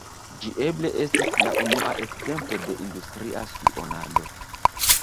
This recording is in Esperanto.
Ĝi eble estis la unua ekzemplo de industria spionado.